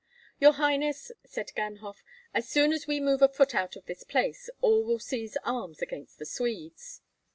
"Your highness," said Ganhoff, "as soon as we move a foot out of this place, all will seize arms against the Swedes."